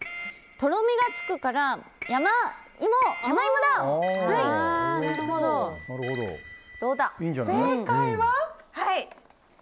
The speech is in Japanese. とろみがつくから山芋だ！